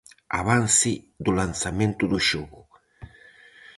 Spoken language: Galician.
Avance do lanzamento do xogo.